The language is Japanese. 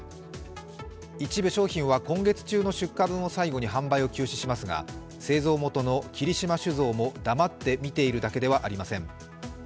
一部商品は今月中の出荷分を最後に販売を休止しますが製造元の霧島酒造も黙っている見ているだけではありません。